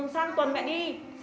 sang tuần mẹ đi